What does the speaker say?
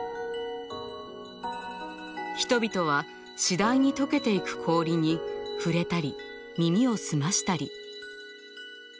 人々は次第に解けていく氷に触れたり耳を澄ましたり。